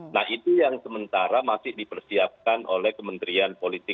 nah itu yang sementara masih dipersiapkan oleh kementerian politik